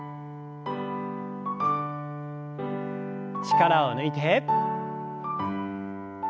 力を抜いて。